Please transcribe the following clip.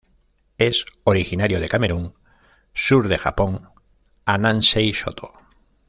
Es originario de Camerún, Sur de Japón a Nansei-shoto.